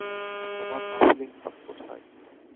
তোমার কাফলিংক কোথায়?